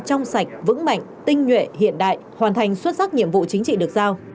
trong sạch vững mạnh tinh nhuệ hiện đại hoàn thành xuất sắc nhiệm vụ chính trị được giao